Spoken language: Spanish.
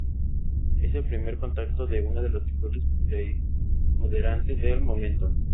Es el primer contacto con una de las figuras preponderantes del momento.